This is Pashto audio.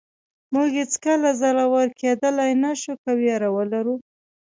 موږ هېڅکله زړور کېدلی نه شو که وېره ولرو.